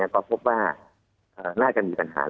ก็พบว่าน่าจะมีปัญหา